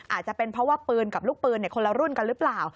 อาจจะเป็นเพราะว่าปืนกับลูกปืนคนละรุ่นกันหรือเปล่า